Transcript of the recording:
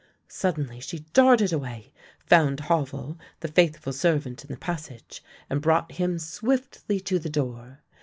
Suddenly she darted away, found Havel the faithful servant in the passage, and brought him swiftly to the door.